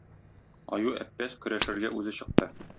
Аю-Әппәз көрәшергә үзе чыкты.